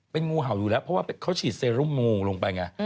เป็นงูเห่าอยู่แล้วเพราะว่าเขาฉีดเซรุมงูลงไปไง